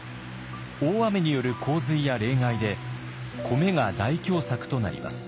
大雨による洪水や冷害で米が大凶作となります。